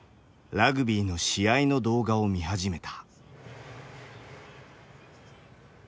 ラグビーの試合の動画を見始めた。